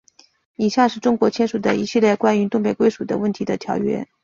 以下是中国签署的一系列关于东北归属问题的条约。